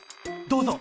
どうぞ。